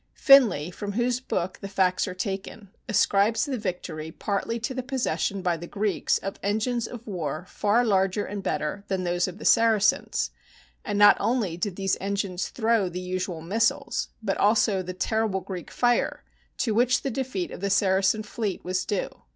Finlay, from whose book the facts are taken, ascribes the victory partly to the possession by the Greeks of engines of war far larger and better than those of the Saracens; and not only did these en gines throw the usual missiles, but also the terrible Greek fire to which the defeat of the Saracen fleet was due.